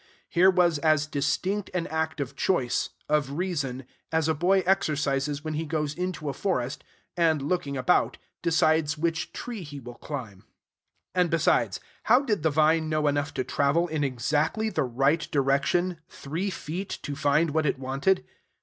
Here was as distinct an act of choice, of reason, as a boy exercises when he goes into a forest, and, looking about, decides which tree he will climb. And, besides, how did the vine know enough to travel in exactly the right direction, three feet, to find what it wanted?